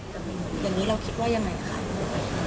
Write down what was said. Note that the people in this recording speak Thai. อย่างนี้เราคิดว่ายังไงคะ